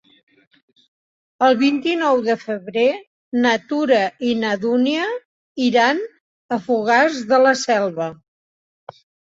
El vint-i-nou de febrer na Tura i na Dúnia iran a Fogars de la Selva.